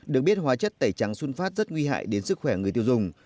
được biết hóa chất tẩy trắng xuân phát rất nguy hại đến sức khỏe người tiêu dùng